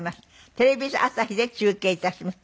テレビ朝日で中継致します。